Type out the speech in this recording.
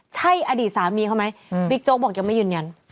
ใช่อดีตสามีเขาไหมบิ๊กโจ๊กบอกยังไม่ยืนยัน